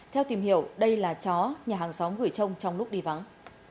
theo tìm hiểu đây là chó nhà hàng xóm gửi trông trong lúc đi vắng